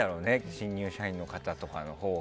新入社員の方とかのほうが。